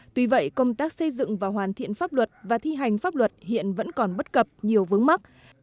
tuy vậy công tác xây dựng và hoàn thiện pháp luật và thi hành pháp luật hiện vẫn còn bất cập nhiều vướng mắt